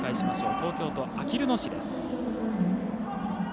東京都あきる野市です。